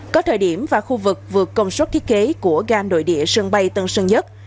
có thời điểm và khu vực vượt công suất thiết kế của gan nội địa sân bay tân sơn nhất